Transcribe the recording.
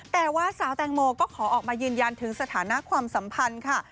แต่ว่าสาวแตงโมก็ขอออกมายืนยันถึงสถานะความสัมพันธ์ค่ะ